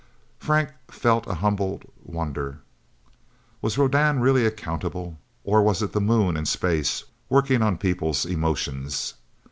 Frank felt a humbled wonder. Was Rodan really accountable, or was it the Moon and space, working on people's emotions?